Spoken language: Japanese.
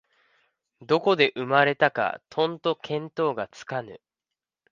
どこで生まれたかとんと見当がつかぬ